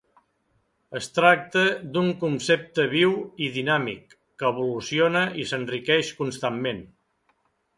Es tracta d'un concepte viu i dinàmic, que evoluciona i s'enriqueix constantment.